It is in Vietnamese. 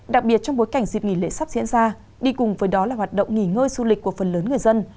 đặc biệt trong bối cảnh dịp nghỉ lễ sắp diễn ra đi cùng với đó là hoạt động nghỉ ngơi du lịch của phần lớn người dân